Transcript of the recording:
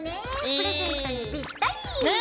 プレゼントにぴったり。ね！